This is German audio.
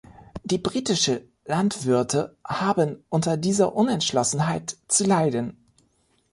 Die britische Landwirte haben unter dieser Unentschlossenheit zu leiden.